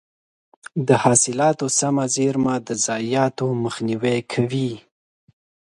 د حاصلاتو سمه زېرمه د ضایعاتو مخنیوی کوي.